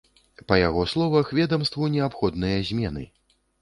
Па яго словах, ведамству неабходныя змены.